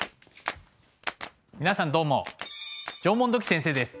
皆さんどうも縄文土器先生です。